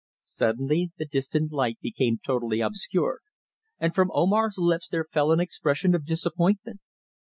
Suddenly the distant light became totally obscured, and from Omar's lips there fell an expression of disappointment.